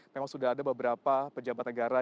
memang sudah ada beberapa pejabat negara